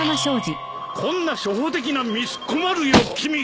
こんな初歩的なミス困るよ君！